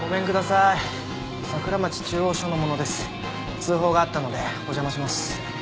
通報があったのでお邪魔します。